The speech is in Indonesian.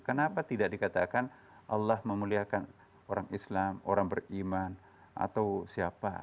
kenapa tidak dikatakan allah memuliakan orang islam orang beriman atau siapa